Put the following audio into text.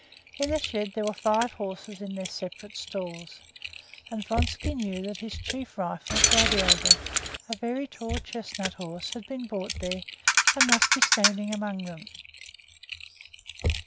In the shed there were five horses in their separate stalls, and Vronsky knew that his chief rival, Gladiator, a very tall chestnut horse, had been brought there, and must be standing among them.